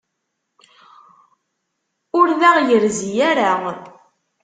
Ur d aɣ-yerzi ara.